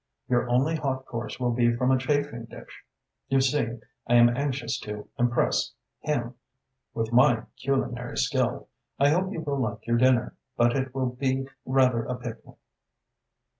Your only hot course will be from a chafing dish. You see, I am anxious to impress him with my culinary skill. I hope you will like your dinner, but it will be rather a picnic."